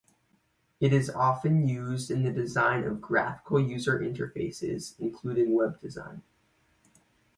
It is often used in the design of graphical user interfaces, including web design.